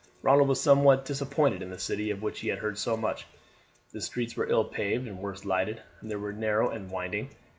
Ronald was somewhat disappointed in the city of which he had heard so much. The streets were ill paved and worse lighted, and were narrow and winding.